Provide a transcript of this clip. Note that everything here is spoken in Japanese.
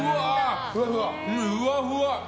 ふわふわ。